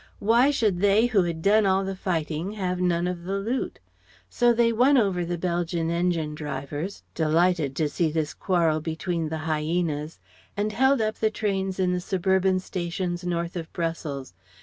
"Why should they who had done all the fighting have none of the loot?" So they won over the Belgian engine drivers delighted to see this quarrel between the hyenas and held up the trains in the suburban stations north of Brussels.